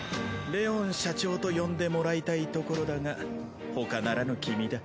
レオン社長と呼んでもらいたいところだが他ならぬ君だ。